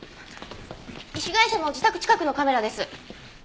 被害者の自宅近くのカメラです。